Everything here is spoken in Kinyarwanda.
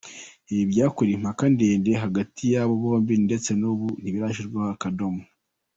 Ibi byakuruye impaka ndende hagati y’aba bombi ndetse n’ubu ntizirashyirwaho akadomo.